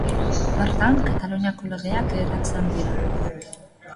Bertan, Kataluniako legeak eratzen dira.